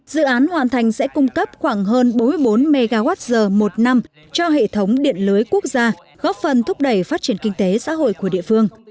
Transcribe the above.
dự án hoàn thành sẽ cung cấp khoảng hơn bốn mươi bốn mwh một năm cho hệ thống điện lưới quốc gia góp phần thúc đẩy phát triển kinh tế xã hội của địa phương